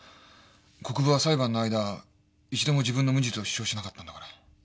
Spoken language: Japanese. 国府は裁判の間一度も自分の無実を主張しなかったんだから。